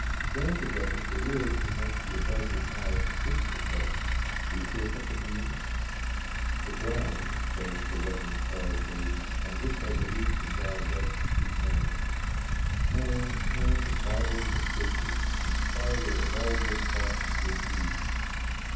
Granted that, if there is, He must be above His highest creature, but is there such a being? "The ground," says the Rev. Charles Voysey, "on which our belief in God rests is man. Man, parent of Bibles and Churches, inspirer of all good thoughts and good deeds.